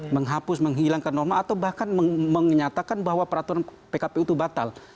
menghapus menghilangkan norma atau bahkan menyatakan bahwa peraturan pkpu itu batal